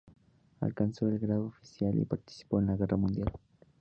Alcanzó el grado de oficial, y participó en la Guerra mundial.